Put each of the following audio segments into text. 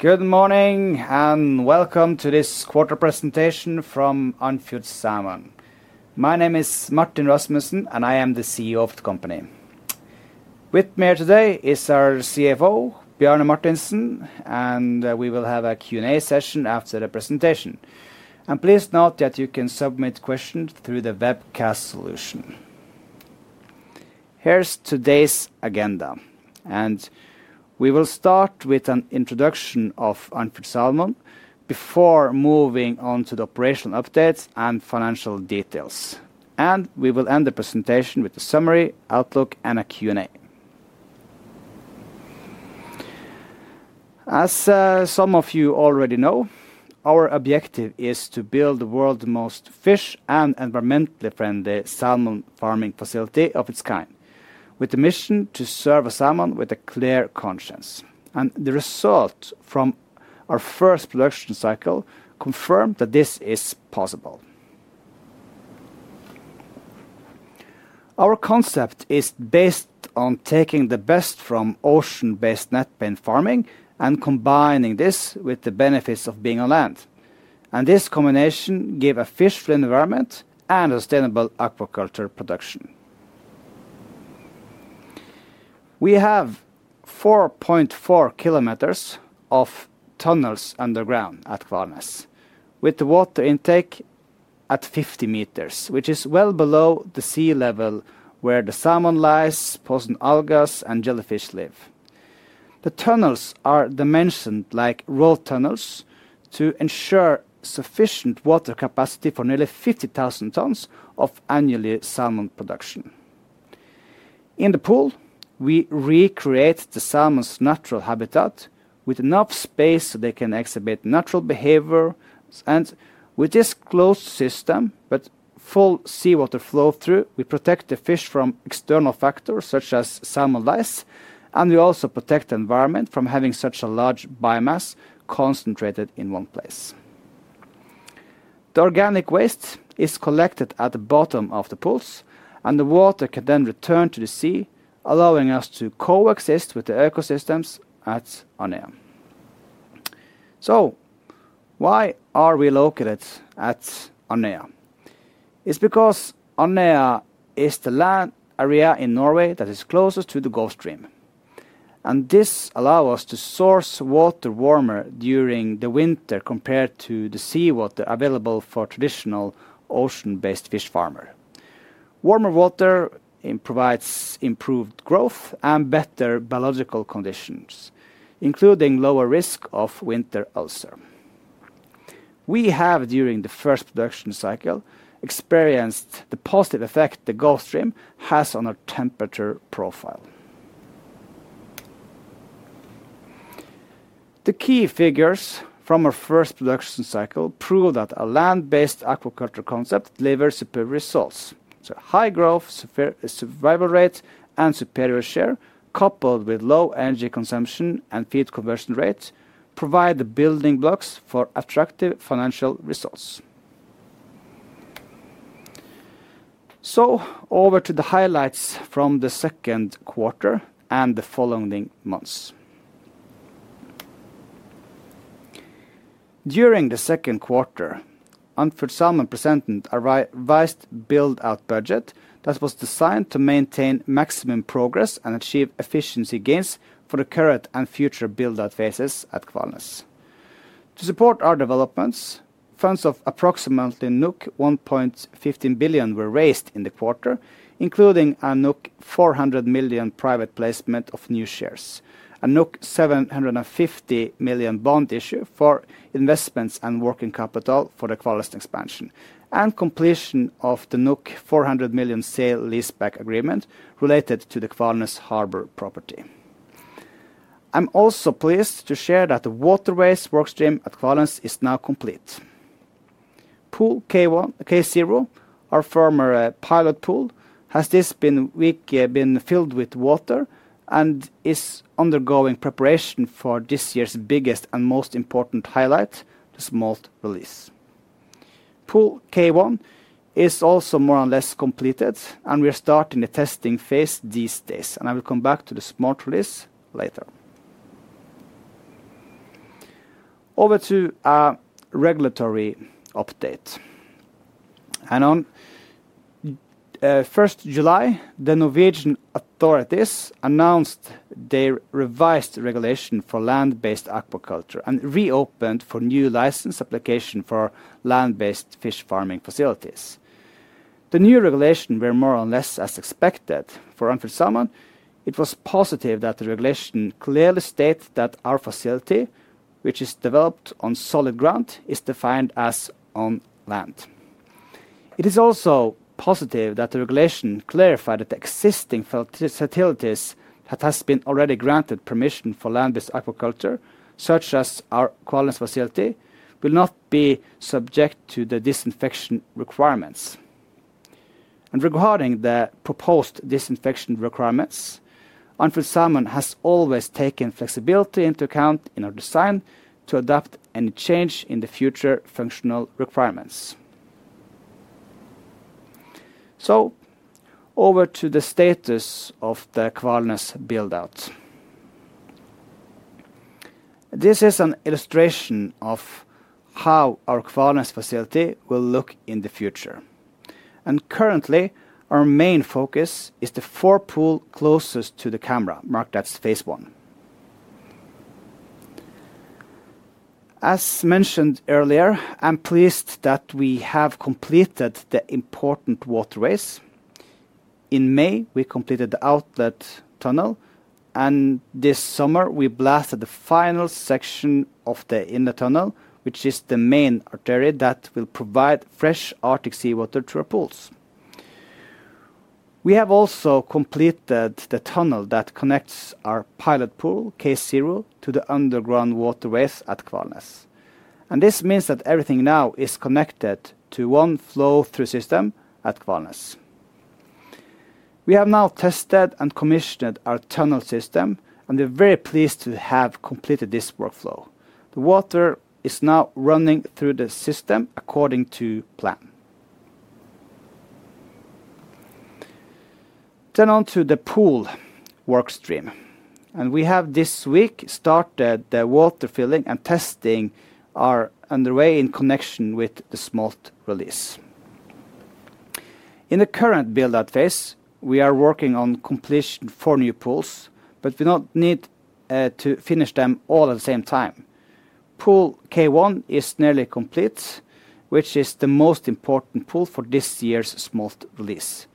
Good morning and welcome to this quarter presentation from Andfjord Salmon. My name is Martin Rasmussen, and I am the CEO of the company. With me here today is our CFO, Bjarne Martinsen, and we will have a Q&A session after the presentation, and please note that you can submit questions through the webcast solution. Here's today's agenda, and we will start with an introduction of Andfjord Salmon before moving on to the operational updates and financial details, and we will end the presentation with a summary, outlook, and a Q&A. As some of you already know, our objective is to build the world's most fish and environmentally friendly salmon farming facility of its kind, with the mission to serve a salmon with a clear conscience, and the result from our first production cycle confirmed that this is possible. Our concept is based on taking the best from ocean-based net pen farming and combining this with the benefits of being on land. This combination gives a lice-free environment and sustainable aquaculture production. We have 4.4 km of tunnels underground at Kvalnes, with the water intake at 50 meters, which is well below sea level where the salmon lice, poisonous algae, and jellyfish live. The tunnels are dimensioned like road tunnels to ensure sufficient water capacity for nearly 50,000 tons of annual salmon production. In the pool, we recreate the salmon's natural habitat with enough space so they can exhibit natural behavior. With this closed system but full seawater flow through, we protect the fish from external factors such as salmon lice. We also protect the environment from having such a large biomass concentrated in one place. The organic waste is collected at the bottom of the pools, and the water can then return to the sea, allowing us to coexist with the ecosystems at Andøya. Why are we located at Andøya? It's because Andøya is the land area in Norway that is closest to the Gulf Stream. This allows us to source water warmer during the winter compared to the seawater available for traditional ocean-based fish farmers. Warmer water provides improved growth and better biological conditions, including lower risk of winter ulcer. We have, during the first production cycle, experienced the positive effect the Gulf Stream has on our temperature profile. The key figures from our first production cycle prove that a land-based aquaculture concept delivers superior results. High growth, survival rate, and superior share, coupled with low energy consumption and feed conversion rate, provide the building blocks for attractive financial results. Over to the highlights from the second quarter and the following months. During the second quarter, Andfjord Salmon presented a revised build-out budget that was designed to maintain maximum progress and achieve efficiency gains for the current and future build-out phases at Kvalnes. To support our developments, funds of approximately 1.15 billion were raised in the quarter, including a 400 million private placement of new shares, a 750 million bond issue for investments and working capital for the Kvalnes expansion, and completion of the 400 million sale leaseback agreement related to the Kvalnes harbor property. I'm also pleased to share that the waterways work stream at Kvalnes is now complete. Pool K0, our former pilot pool, has this week been filled with water and is undergoing preparation for this year's biggest and most important highlight, the smolt release. Pool K1 is also more or less completed, and we're starting the testing phase these days. I will come back to the smolt release later. Over to a regulatory update. On July 1st, the Norwegian authorities announced their revised regulation for land-based aquaculture and reopened for new license application for land-based fish farming facilities. The new regulation was more or less as expected for Andfjord Salmon. It was positive that the regulation clearly stated that our facility, which is developed on solid ground, is defined as on land. It is also positive that the regulation clarified that the existing facilities that have been already granted permission for land-based aquaculture, such as our Kvalnes facility, will not be subject to the disinfection requirements. Regarding the proposed disinfection requirements, Andfjord Salmon has always taken flexibility into account in our design to adapt any change in the future functional requirements. Over to the status of the Kvalnes build-out. This is an illustration of how our Kvalnes facility will look in the future. Currently, our main focus is the four pools closest to the camera, marked as phase I. As mentioned earlier, I'm pleased that we have completed the important waterways. In May, we completed the outlet tunnel, and this summer, we blasted the final section of the inner tunnel, which is the main artery that will provide fresh Arctic seawater to our pools. We have also completed the tunnel that connects our pilot pool, K0, to the underground waterways at Kvalnes. This means that everything now is connected to one flow-through system at Kvalnes. We have now tested and commissioned our tunnel system, and we're very pleased to have completed this workflow. The water is now running through the system according to plan. On to the pool work stream. We have this week started the water filling and testing underway in connection with the smolt release. In the current build-out phase, we are working on completion of four new pools, but we don't need to finish them all at the same time. Pool K1 is nearly complete, which is the most important pool for this year's smolt release.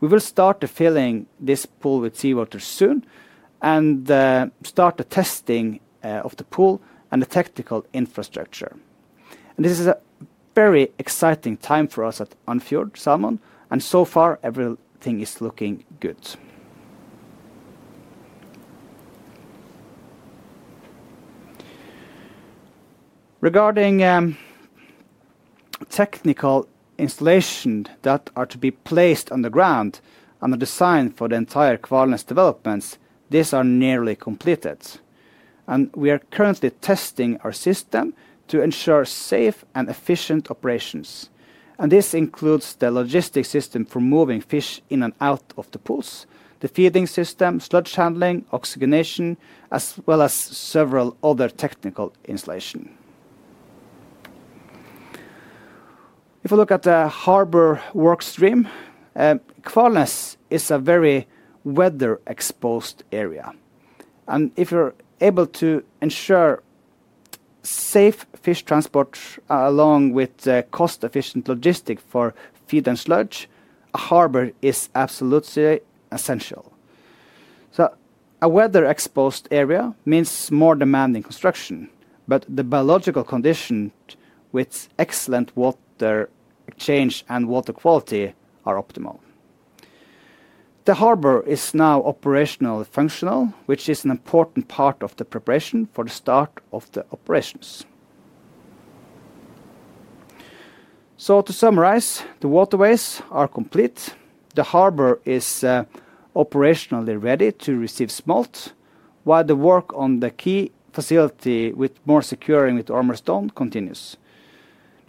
We will start filling this pool with seawater soon and start the testing of the pool and the technical infrastructure. This is a very exciting time for us at Andfjord Salmon, and so far, everything is looking good. Regarding technical installations that are to be placed on the ground and the design for the entire Kvalnes developments, these are nearly completed. We are currently testing our system to ensure safe and efficient operations. This includes the logistic system for moving fish in and out of the pools, the feeding system, sludge handling, oxygenation, as well as several other technical installations. If we look at the harbor work stream, Kvalnes is a very weather-exposed area. If you're able to ensure safe fish transport along with cost-efficient logistics for feed and sludge, a harbor is absolutely essential. A weather-exposed area means more demanding construction, but the biological conditions with excellent water exchange and water quality are optimal. The harbor is now operationally functional, which is an important part of the preparation for the start of the operations. So to summarize, the waterways are complete. The harbor is operationally ready to receive smolt, while the work on the quay facility with more securing with armor stone continues.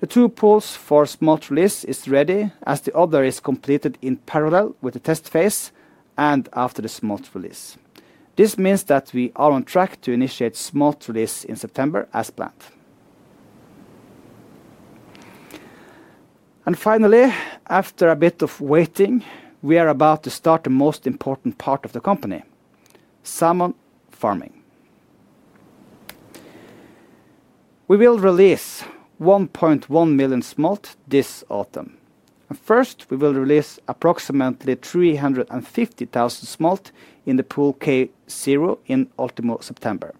The two pools for smolt release are ready, as the other is completed in parallel with the test phase and after the smolt release. This means that we are on track to initiate smolt release in September as planned, and finally, after a bit of waiting, we are about to start the most important part of the company. Salmon farming. We will release 1.1 million smolt this autumn, and first, we will release approximately 350,000 smolt in the Pool K0 in late September.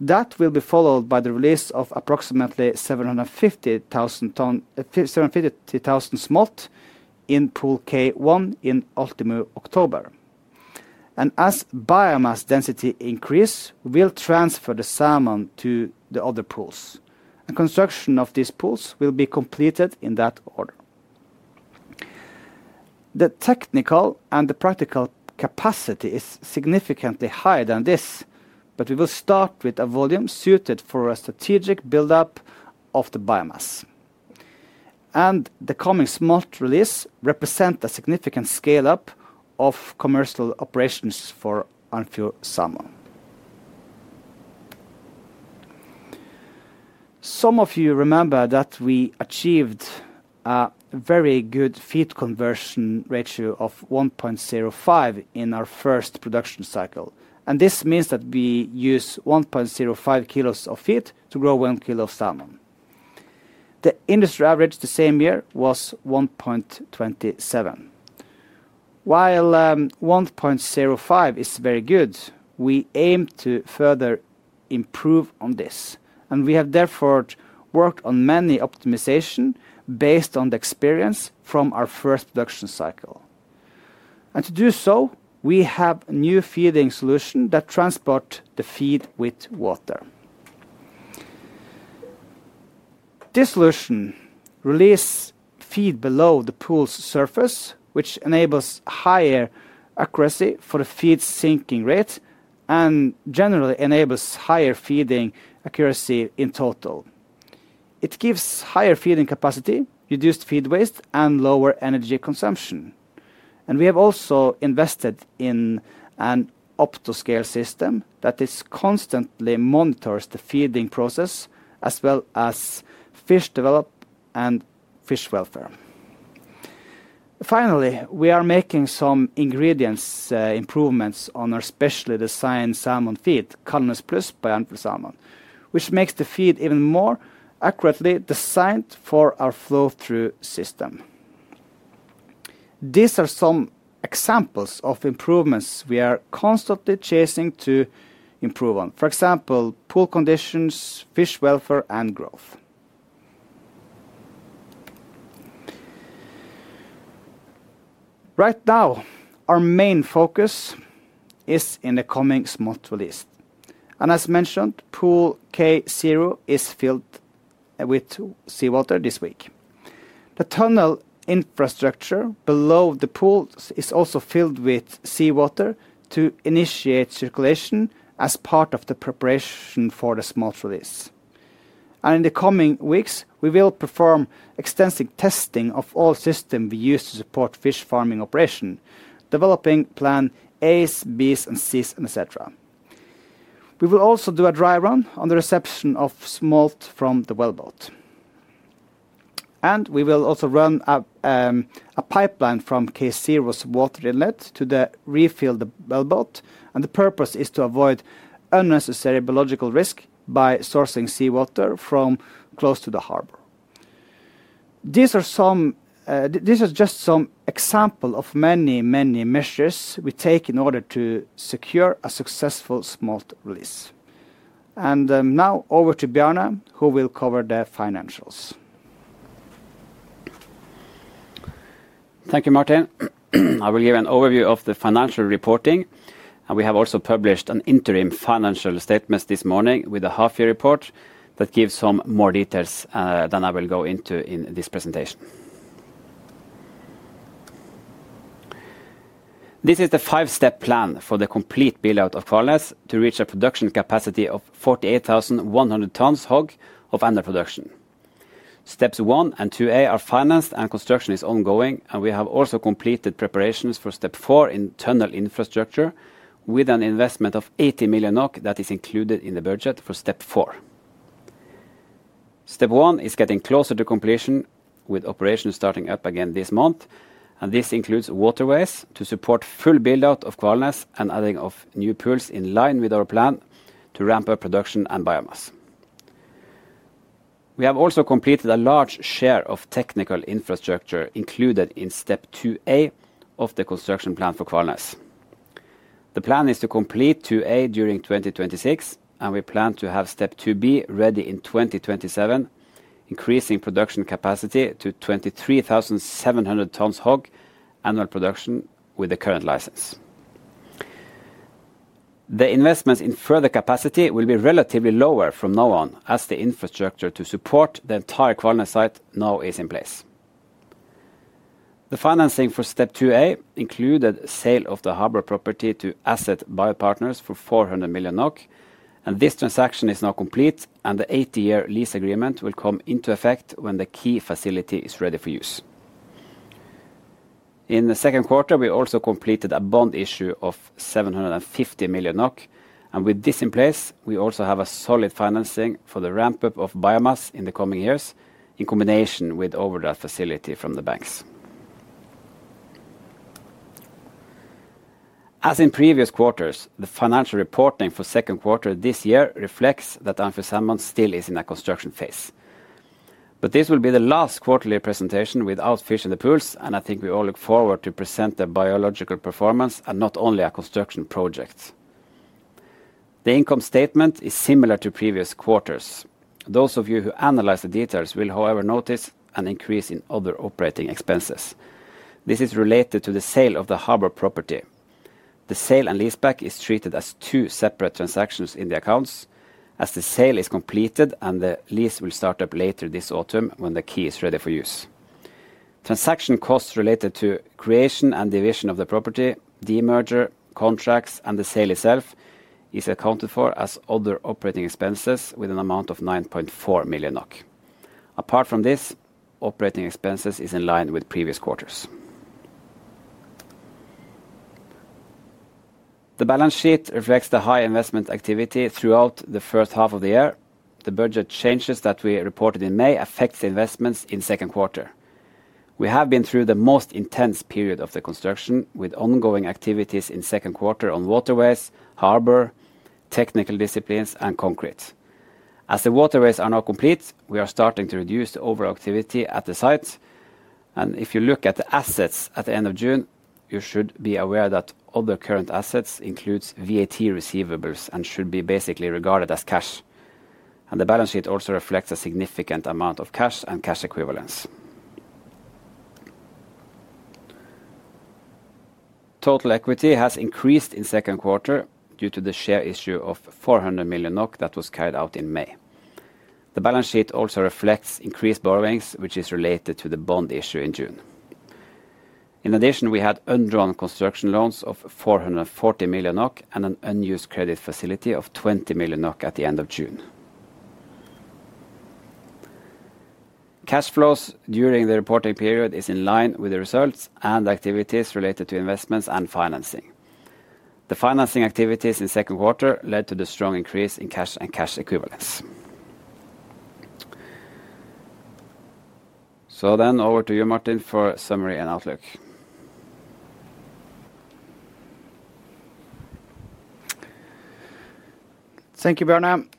That will be followed by the release of approximately 750,000 smolt in Pool K1 in late October, and as biomass density increases, we will transfer the salmon to the other pools, and construction of these pools will be completed in that order. The technical and the practical capacity is significantly higher than this, but we will start with a volume suited for a strategic build-up of the biomass, and the coming smolt release represents a significant scale-up of commercial operations for Andfjord Salmon. Some of you remember that we achieved a very good feed conversion ratio of 1.05 in our first production cycle, and this means that we use 1.05 kilos of feed to grow one kilo of salmon. The industry average the same year was 1.27. While 1.05 is very good, we aim to further improve on this, and we have therefore worked on many optimizations based on the experience from our first production cycle, and to do so, we have a new feeding solution that transports the feed with water. This solution releases feed below the pool's surface, which enables higher accuracy for the feed sinking rate and generally enables higher feeding accuracy in total. It gives higher feeding capacity, reduced feed waste, and lower energy consumption, and we have also invested in an OptoScale system that constantly monitors the feeding process as well as fish development and fish welfare. Finally, we are making some ingredients improvements on our specially designed salmon feed, Calanus Plus by Andfjord Salmon, which makes the feed even more accurately designed for our flow-through system. These are some examples of improvements we are constantly chasing to improve on, for example, pool conditions, fish welfare, and growth. Right now, our main focus is in the coming smolt release, and as mentioned, Pool K0 is filled with seawater this week. The tunnel infrastructure below the pools is also filled with seawater to initiate circulation as part of the preparation for the smolt release. In the coming weeks, we will perform extensive testing of all systems we use to support fish farming operations, developing Plan As, Bs, and Cs, etc. We will also do a dry run on the reception of smolt from the wellboat. We will also run a pipeline from Kvalnes's water inlet to refill the wellboat. The purpose is to avoid unnecessary biological risk by sourcing seawater from close to the harbor. These are just some examples of many, many measures we take in order to secure a successful smolt release. Now over to Bjarne, who will cover the financials. Thank you, Martin. I will give an overview of the financial reporting. We have also published an interim financial statement this morning with a half-year report that gives some more details than I will go into in this presentation. This is the five-step plan for the complete build-out of Kvalnes to reach a production capacity of 48,100 tons HOG of end-of-production. Steps 1 and 2A are financed, and construction is ongoing. We have also completed preparations for Step 4 internal infrastructure, with an investment of 80 million NOK that is included in the budget for Step 4. Step 1 is getting closer to completion, with operations starting up again this month. This includes waterways to support full build-out of Kvalnes and adding of new pools in line with our plan to ramp up production and biomass. We have also completed a large share of technical infrastructure included in Step 2A of the construction plan for Kvalnes. The plan is to complete 2A during 2026, and we plan to have Step 2B ready in 2027, increasing production capacity to 23,700 tons HOG annual production with the current license. The investments in further capacity will be relatively lower from now on, as the infrastructure to support the entire Kvalnes site now is in place. The financing for Step 2A included sale of the harbor property to Asset Buyout Partners for 400 million NOK. This transaction is now complete, and the 80-year lease agreement will come into effect when the quay facility is ready for use. In the second quarter, we also completed a bond issue of 750 million NOK. With this in place, we also have solid financing for the ramp-up of biomass in the coming years, in combination with overdraft facility from the banks. As in previous quarters, the financial reporting for second quarter this year reflects that Andfjord Salmon still is in a construction phase. But this will be the last quarterly presentation without fish in the pools, and I think we all look forward to presenting the biological performance and not only a construction project. The income statement is similar to previous quarters. Those of you who analyze the details will, however, notice an increase in other operating expenses. This is related to the sale of the harbor property. The sale and lease back is treated as two separate transactions in the accounts, as the sale is completed and the lease will start up later this autumn when the quay is ready for use. Transaction costs related to creation and division of the property, demerger, contracts, and the sale itself are accounted for as other operating expenses with an amount of 9.4 million NOK. Apart from this, operating expenses are in line with previous quarters. The balance sheet reflects the high investment activity throughout the first half of the year. The budget changes that we reported in May affect the investments in second quarter. We have been through the most intense period of the construction, with ongoing activities in second quarter on waterways, harbor, technical disciplines, and concrete. As the waterways are now complete, we are starting to reduce the overall activity at the site. If you look at the assets at the end of June, you should be aware that other current assets include VAT receivables and should be basically regarded as cash. The balance sheet also reflects a significant amount of cash and cash equivalents. Total equity has increased in second quarter due to the share issue of 400 million NOK that was carried out in May. The balance sheet also reflects increased borrowings, which is related to the bond issue in June. In addition, we had undrawn construction loans of 440 million NOK and an unused credit facility of 20 million NOK at the end of June. Cash flows during the reporting period are in line with the results and activities related to investments and financing. The financing activities in second quarter led to the strong increase in cash and cash equivalents. Over to you, Martin, for summary and outlook. Thank you, Bjarne.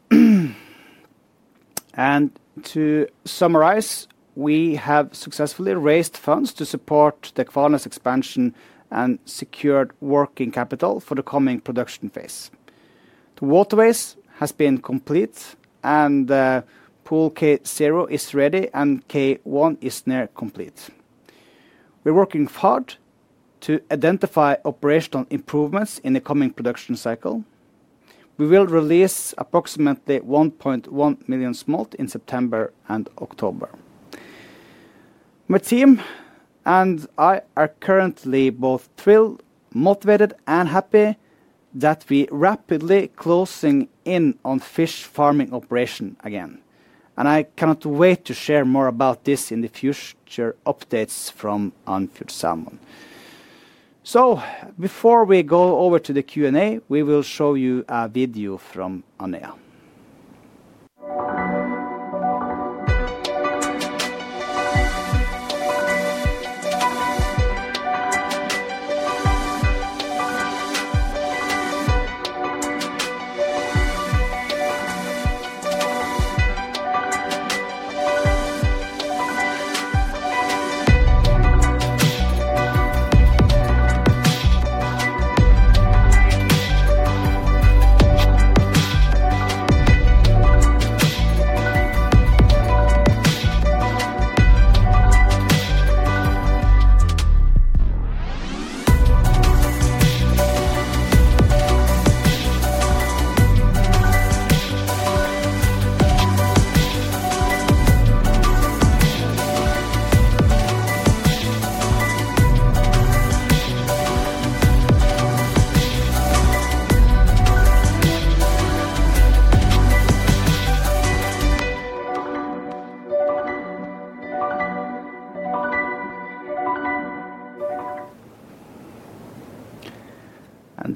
To summarize, we have successfully raised funds to support the Kvalnes expansion and secured working capital for the coming production phase. The waterways have been completed, and Pool K0 is ready, and K1 is near complete. We're working hard to identify operational improvements in the coming production cycle. We will release approximately 1.1 million smolt in September and October. My team and I are currently both thrilled, motivated, and happy that we are rapidly closing in on fish farming operations again. And I cannot wait to share more about this in the future updates from Andfjord Salmon. So before we go over to the Q&A, we will show you a video from Andøya. And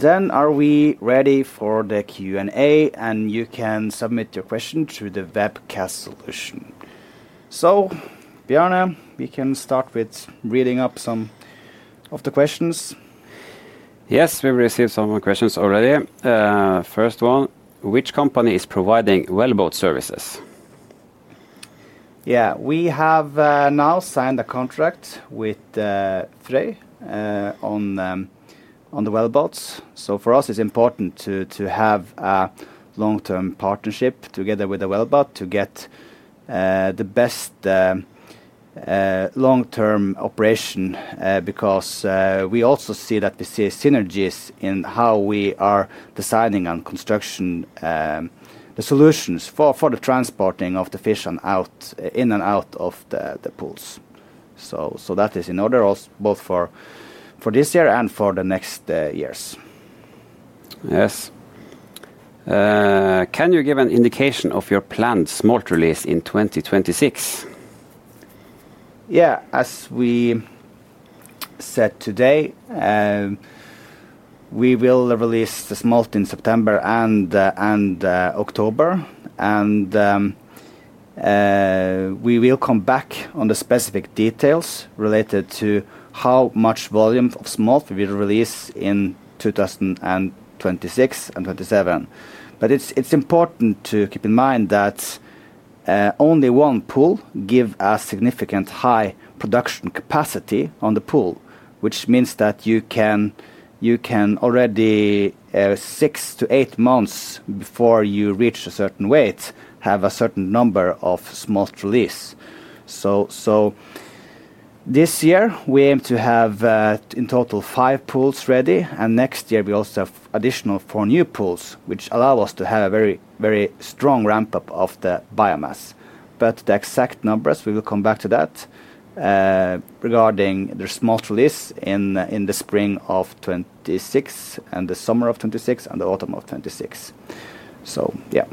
then are we ready for the Q&A? And you can submit your questions through the webcast solution. So Bjarne, we can start with reading up some of the questions. Yes, we've received some questions already. First one, which company is providing wellboat services? Yeah, we have now signed a contract with Frøy on the wellboats. For us, it's important to have a long-term partnership together with the wellboat to get the best long-term operation because we also see synergies in how we are designing and constructing the solutions for the transporting of the fish in and out of the pools. That is in order both for this year and for the next years. Yes. Can you give an indication of your planned smolt release in 2026? Yeah, as we said today, we will release the smolt in September and October. And we will come back on the specific details related to how much volume of smolt we will release in 2026 and 2027. But it's important to keep in mind that only one pool gives a significant high production capacity on the pool, which means that you can already six to eight months before you reach a certain weight have a certain number of smolt release. So this year, we aim to have in total five pools ready. And next year, we also have additional four new pools, which allow us to have a very, very strong ramp-up of the biomass. But the exact numbers, we will come back to that regarding the smolt release in the spring of 2026, and the summer of 2026, and the autumn of 2026. So yeah.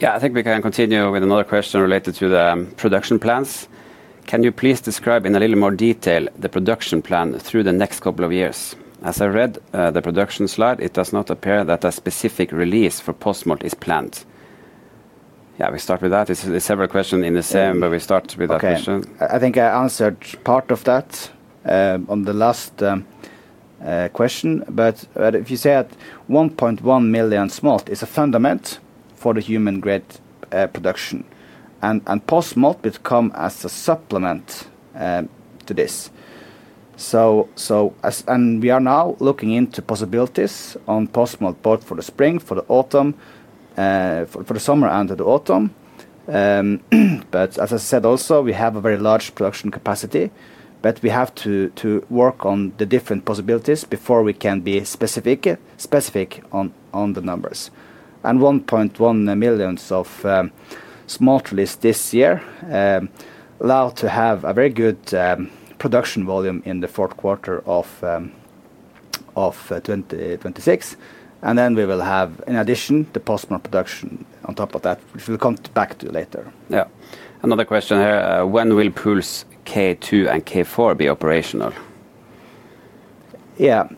Yeah, I think we can continue with another question related to the production plans. Can you please describe in a little more detail the production plan through the next couple of years? As I read the production slide, it does not appear that a specific release for post-smolt is planned. Yeah, we start with that. It's several questions in the same, but we start with that question. Okay, I think I answered part of that on the last question. But if you say that 1.1 million smolt is a fundament for the human-grade production, and post-smolt would come as a supplement to this. We are now looking into possibilities on post-smolt both for the spring, for the autumn, for the summer, and the autumn. But as I said also, we have a very large production capacity, but we have to work on the different possibilities before we can be specific on the numbers. And 1.1 millions of smolt release this year allow to have a very good production volume in the fourth quarter of 2026. And then we will have, in addition, the post-smolt production on top of that, which we'll come back to later. Yeah. Another question here. When will pools K2 and K4 be operational? Yeah.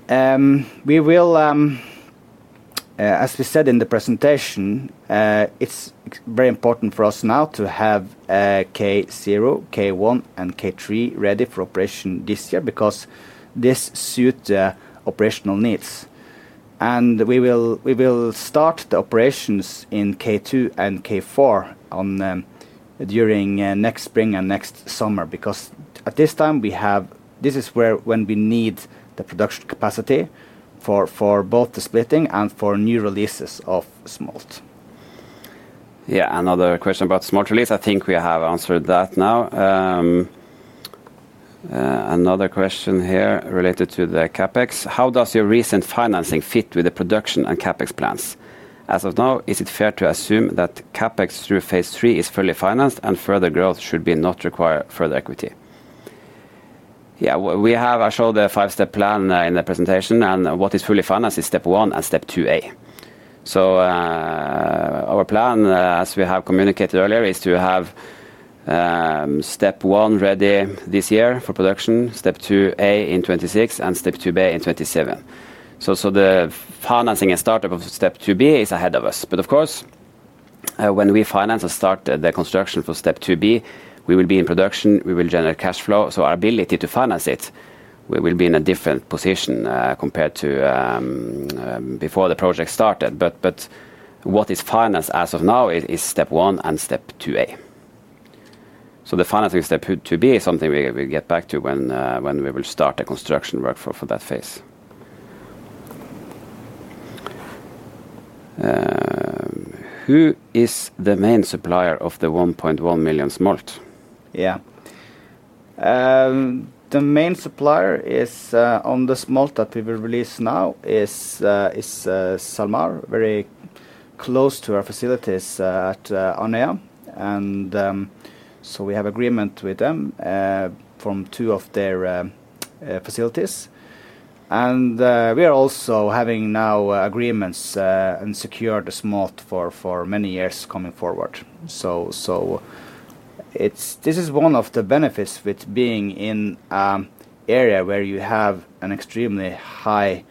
As we said in the presentation, it's very important for us now to have K0, K1, and K3 ready for operation this year because this suits the operational needs. And we will start the operations in K2 and K4 during next spring and next summer because at this time, this is when we need the production capacity for both the splitting and for new releases of smolt. Yeah, another question about smolt release. I think we have answered that now. Another question here related to the CapEx. How does your recent financing fit with the production and CapEx plans? As of now, is it fair to assume that CapEx through phase three is fully financed and further growth should not require further equity? Yeah, I showed the five-step plan in the presentation, and what is fully financed is Step 1 and Step 2A. So our plan, as we have communicated earlier, is to have Step 1 ready this year for production, Step 2A in 2026, and Step 2B in 2027. So the financing and startup of Step 2B is ahead of us. But of course, when we finance and start the construction for Step 2B, we will be in production. We will generate cash flow. So our ability to finance it. We will be in a different position compared to before the project started. But what is financed as of now is Step 1 and Step 2A. So the financing Step 2B is something we get back to when we will start the construction work for that phase. Who is the main supplier of the 1.1 million smolt? Yeah. The main supplier on the smolt that we will release now is SalMar, very close to our facilities at Andøya. And so we have agreements with them from two of their facilities. And we are also having now agreements and secured the smolt for many years coming forward. So this is one of the benefits with being in an area where you have an extremely high,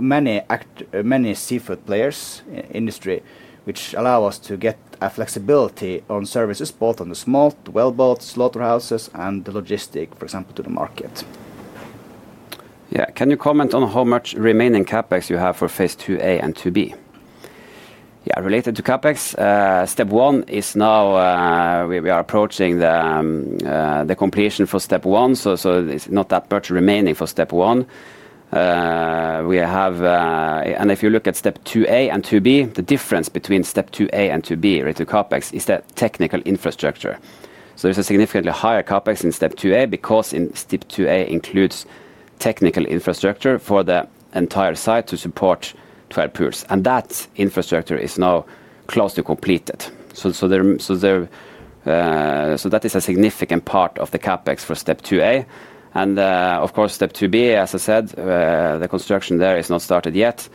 many seafood players in the industry, which allows us to get flexibility on services both on the smolt, wellboats, slaughterhouses, and the logistic, for example, to the market. Yeah. Can you comment on how much remaining CapEx you have for phase 2A and 2B? Yeah, related to CapEx, Step 1 is now we are approaching the completion for Step 1. So it's not that much remaining for Step 1. And if you look at Step 2A and 2B, the difference between Step 2A and 2B related to CapEx is the technical infrastructure. So there's a significantly higher CapEx in Step 2A because Step 2A includes technical infrastructure for the entire site to support 12 pools. And that infrastructure is now close to completed. So that is a significant part of the CapEx for Step 2A. And of course, Step 2B, as I said, the construction there is not started yet.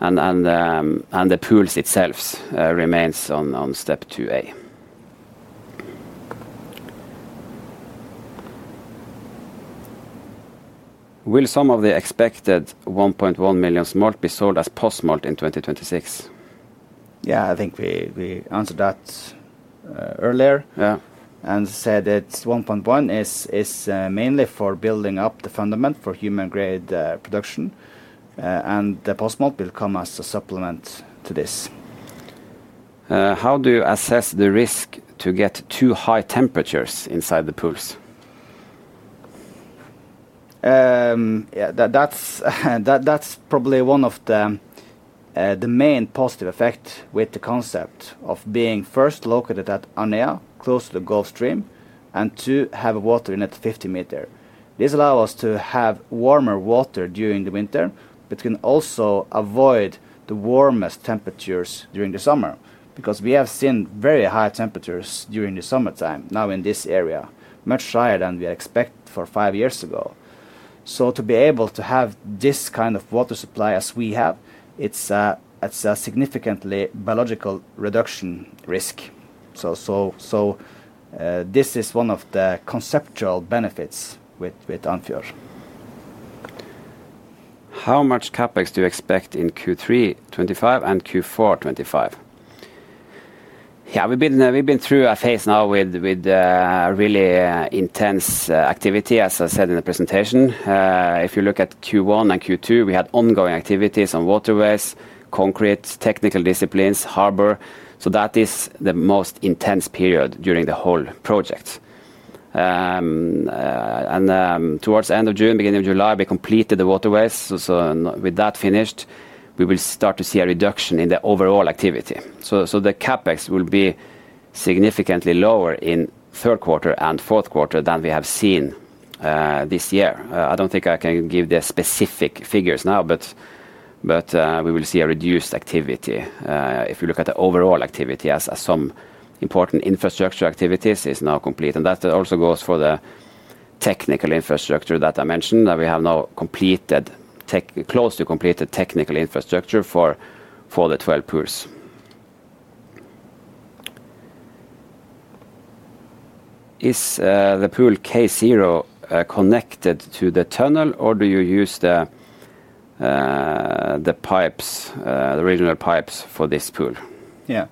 The pools itself remains on Step 2A. Will some of the expected 1.1 million smolt be sold as post-smolt in 2026? Yeah, I think we answered that earlier. And said that 1.1 is mainly for building up the foundation for human-grade production. The post-smolt will come as a supplement to this. How do you assess the risk to get too high temperatures inside the pools? Yeah, that's probably one of the main positive effects with the concept of being first located at Andøya, close to the Gulf Stream, and to have water in at 50 meters. This allows us to have warmer water during the winter, but can also avoid the warmest temperatures during the summer because we have seen very high temperatures during the summertime now in this area, much higher than we expected for five years ago. So to be able to have this kind of water supply as we have, it's a significantly biological reduction risk. So this is one of the conceptual benefits with Andfjord. How much CapEx do you expect in Q3 2025 and Q4 2025? Yeah, we've been through a phase now with really intense activity, as I said in the presentation. If you look at Q1 and Q2, we had ongoing activities on waterways, concrete, technical disciplines, harbor. So that is the most intense period during the whole project. And towards the end of June, beginning of July, we completed the waterways. So with that finished, we will start to see a reduction in the overall activity. So the CapEx will be significantly lower in third quarter and fourth quarter than we have seen this year. I don't think I can give the specific figures now, but we will see a reduced activity. If you look at the overall activity, as some important infrastructure activities is now complete. That also goes for the technical infrastructure that I mentioned. We have now close to completed technical infrastructure for the 12 pools. Is the Pool K0 connected to the tunnel, or do you use the pipes, the regional pipes for this pool? Yeah.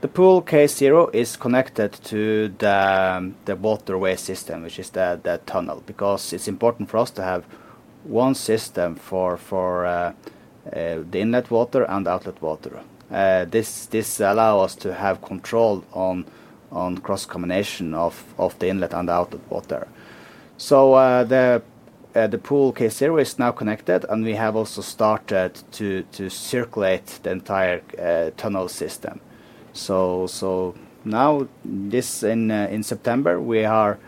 The Pool K0 is connected to the waterway system, which is the tunnel, because it's important for us to have one system for the inlet water and outlet water. This allows us to have control on cross-combination of the inlet and outlet water. So the Pool K0 is now connected, and we have also started to circulate the entire tunnel system. So now, in September, we are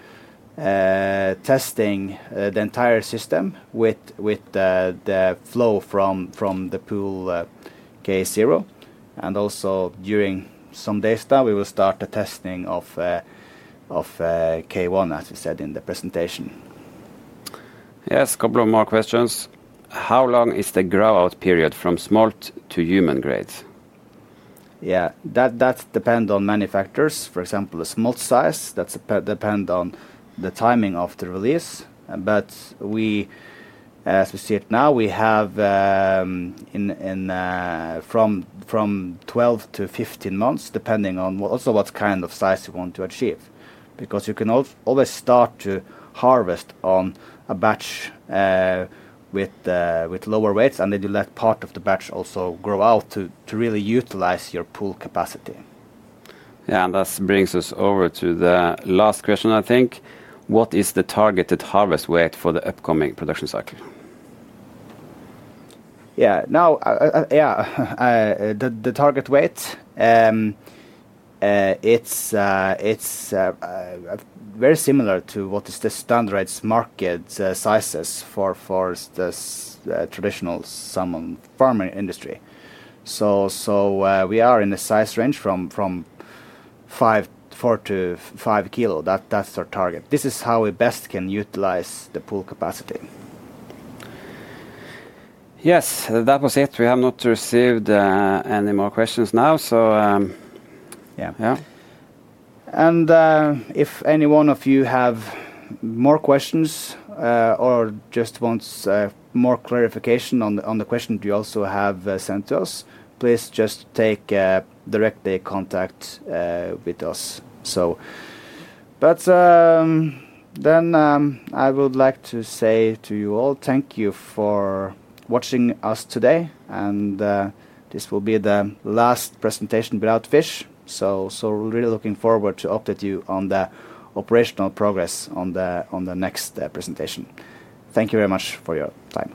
testing the entire system with the flow from the Pool K0, and also during some days, we will start the testing of K1, as we said in the presentation. Yes, a couple of more questions. How long is the grow-out period from smolt to human-grade? Yeah, that depends on many factors. For example, the smolt size, that depends on the timing of the release. As we see it now, we have from 12 months-15 months, depending on also what kind of size you want to achieve. Because you can always start to harvest on a batch with lower weights, and then you let part of the batch also grow out to really utilize your pool capacity. Yeah, and that brings us over to the last question, I think. What is the targeted harvest weight for the upcoming production cycle? Yeah, now, yeah, the target weight, it's very similar to what is the standardized market sizes for the traditional salmon farming industry. So we are in the size range from four to five kilos. That's our target. This is how we best can utilize the pool capacity. Yes, that was it. We have not received any more questions now, so yeah. If any one of you have more questions or just wants more clarification on the questions you also have sent to us, please just take directly contact with us. But then I would like to say to you all, thank you for watching us today. This will be the last presentation without fish. So really looking forward to update you on the operational progress on the next presentation. Thank you very much for your time.